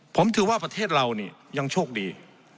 ผมถือว่าประเทศเราเนี่ยยังโชคดี